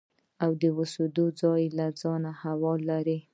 د اوسېدو ځای خپل حواله لري.